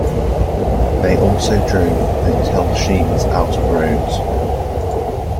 They also drove the Telchines out of Rhodes.